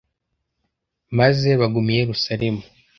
maze baguma i Yerusalemu